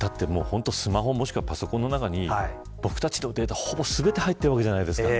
スマホもしくはパソコンの中に僕たちのデータほぼ全て入っているわけじゃないですか。